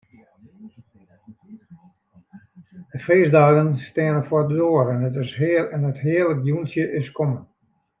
De feestdagen steane foar de doar en it hearlik jûntsje is kommen.